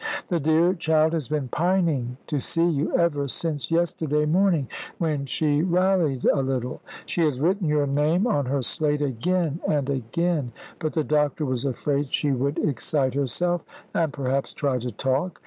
"The dear child has been pining to see you ever since yesterday morning, when she rallied a little. She has written your name on her slate again and again, but the doctor was afraid she would excite herself, and perhaps try to talk.